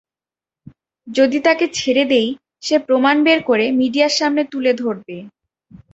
যদি তাকে ছেড়ে দেই, সে প্রমাণ বের করে মিডিয়ার সামনে তুলে ধরবে।